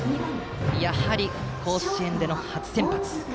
やはり甲子園での初先発。